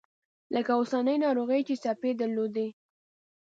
لکه اوسنۍ ناروغي چې څپې درلودې.